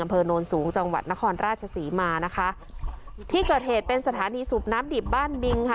อำเภอโนนสูงจังหวัดนครราชศรีมานะคะที่เกิดเหตุเป็นสถานีสูบน้ำดิบบ้านบิงค่ะ